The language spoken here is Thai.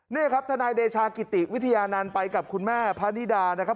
นี่ครับทนายเดชากิติวิทยานันต์ไปกับคุณแม่พระนิดานะครับ